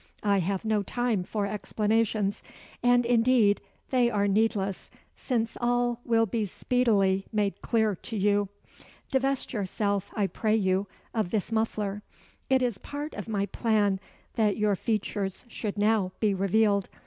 I have no time for explanations; and indeed they are needless, since all will be speedily made clear to you. Divest yourself, I pray you, of this muffler. It is part of my plan that your features should now be revealed.